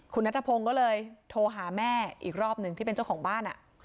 คุณนัทพงศ์ก็เลยโทรหาแม่อีกรอบหนึ่งที่เป็นเจ้าของบ้าน